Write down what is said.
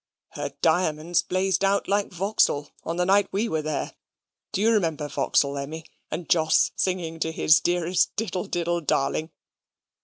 Her diamonds blazed out like Vauxhall on the night we were there. (Do you remember Vauxhall, Emmy, and Jos singing to his dearest diddle diddle darling?)